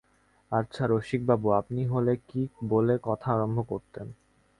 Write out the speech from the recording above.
আচ্ছা রসিকবাবু, আপনি হলে কী বলে কথা আরম্ভ করতেন?